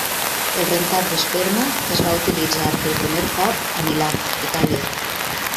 El rentat d"esperma es va utilitzar per primer cop a Milà, Itàlia.